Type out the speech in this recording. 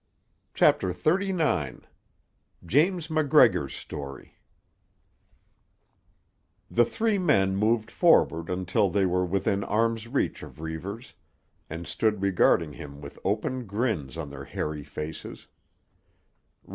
CHAPTER XXXIX—JAMES MACGREGOR'S STORY The three men moved forward until they were within arm's reach of Reivers, and stood regarding him with open grins on their hairy faces.